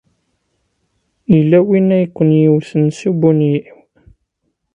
Yella win ay kem-iwten s ubunyiw?